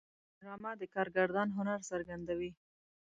ډرامه د کارگردان هنر څرګندوي